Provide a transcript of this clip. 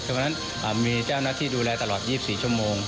เพราะฉะนั้นมีเจ้าหน้าที่ดูแลตลอด๒๔ชั่วโมง